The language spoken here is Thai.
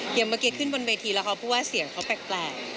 อย่างเมื่อกี้ขึ้นบนเวทีแล้วเขาพูดว่าเสียงเขาแปลก